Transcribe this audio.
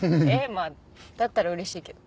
まあだったら嬉しいけど。